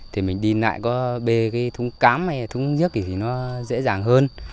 thì mình đi nại có bề thúng cám hay thúng nhức thì nó dễ dàng hơn